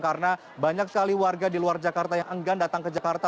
karena banyak sekali warga di luar jakarta yang enggan datang ke jakarta